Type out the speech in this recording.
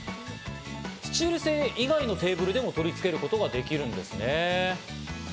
スチール製以外のテーブルでも取り付けることができるんですね。